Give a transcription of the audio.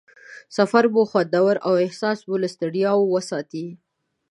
سفر مو خوندور او احساس مو له ستړیا وساتي.